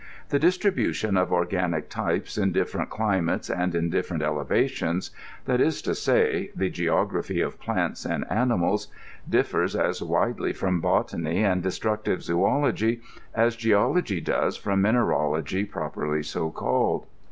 The distribution of organic types in difierent climates and at difierent elevations — ^that is to say, the geography of plants and animajs — differs as widely from botany and descriptive zoology as geology does firom mineralogy, properly so called.